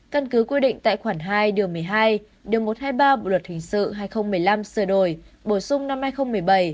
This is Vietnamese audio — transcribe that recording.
căn cứ quy định tại khoản hai điều một mươi hai điều một trăm hai mươi ba bộ luật hình sự hai nghìn một mươi năm sửa đổi bổ sung năm hai nghìn một mươi bảy